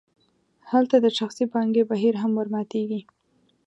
هلته د شخصي پانګې بهیر هم ورماتیږي.